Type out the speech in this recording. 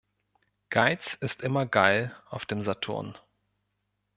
Geiz ist immer geil auf dem Saturn.